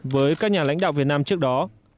với các nhà lãnh đạo việt nam trước đó